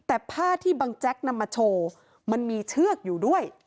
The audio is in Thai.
แต่ผ้าที่บังแจ๊กนำมาโชว์มันมีเชือกอยู่ด้วย